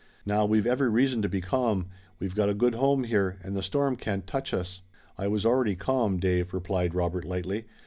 Now, we've every reason to be calm. We've got a good home here, and the storm can't touch us." "I was already calm, Dave," replied Robert lightly.